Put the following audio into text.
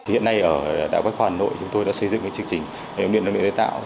hiện nay ở đại học bách khoa hà nội chúng tôi đã xây dựng chương trình hệ thống điện và năng lượng tái tạo